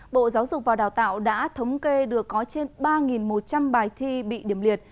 bộ giáo dục và đào tạo đã thống kê được có trên ba một trăm linh bài thi bị điểm liệt